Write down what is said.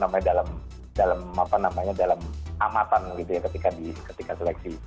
jadi itu adalah hal yang harus kita lakukan ketika di ketika seleksi